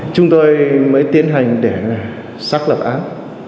chúng tôi mới tiến hành để xác lập án